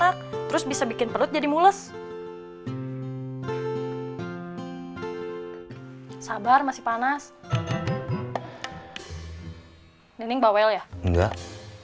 aku mau ke tempat yang lebih baik